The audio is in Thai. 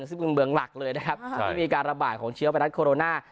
ซึ่งเป็นเมืองหลักเลยนะครับที่มีการระบาดของเชื้อไวรัสโคโรนา